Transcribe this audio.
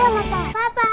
・パパ！